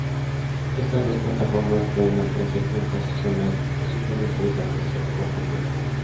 Estas dos plataformas, pueden aparecer juntas o solas o simplemente desaparecer por completo.